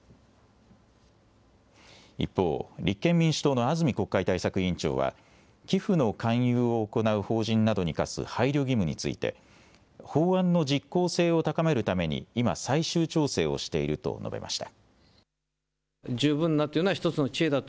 一方、立憲民主党の安住国会対策委員長は、寄付の勧誘を行う法人などに課す配慮義務について、法案の実効性を高めるために今、最終調整をしていると述べました。